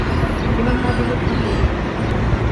لمن هذه الحقيبة ؟